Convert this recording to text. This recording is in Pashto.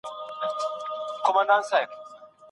ایا ډاکټر زموږ پاڼه وړاندي کوي؟